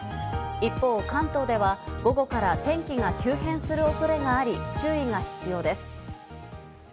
一方、関東では午後から天気が急変する恐れがあり、注意が必要です。